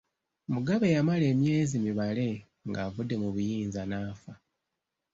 Mugabe yamala emyezi mibale ng’avudde mu buyinza n’afa.